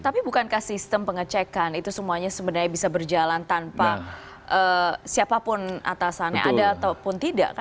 tapi bukankah sistem pengecekan itu semuanya sebenarnya bisa berjalan tanpa siapapun atasannya ada ataupun tidak kan